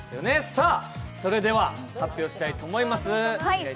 それでは発表したいと思います。